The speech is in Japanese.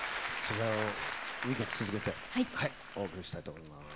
２曲続けてお送りしたいと思います。